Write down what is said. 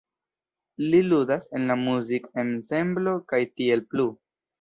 Li ludas en la muzik-ensemblo Kaj Tiel Plu.